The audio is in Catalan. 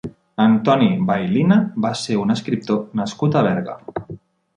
Antoni Baylina va ser un escriptor nascut a Berga.